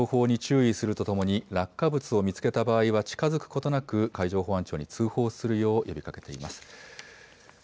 航行中の船舶に対し、今後の情報に注意するとともに、落下物を見つけた場合は近づくことなく、海上保安庁に通報するよう呼びかけています。